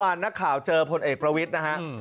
นักข่าวเจอพลเอกประวิทย์นะฮะ